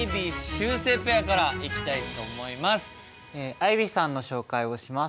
アイビーさんの紹介をします。